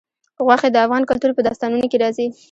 غوښې د افغان کلتور په داستانونو کې راځي.